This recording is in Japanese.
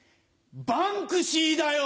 バンクシーだよ！